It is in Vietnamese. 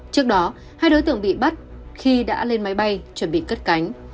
trước đó hai đối tượng bị bắt khi đã lên máy bay chuẩn bị cất cánh